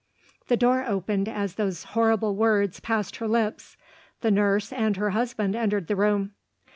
The door opened as those horrible words passed her lips. The nurse and her husband entered the room.